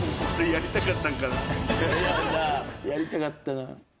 やりたかったな。